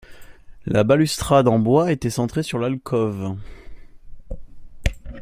La balustrade en bois était centrée sur l'alcôve.